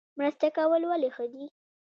مرسته کول ولې ښه دي؟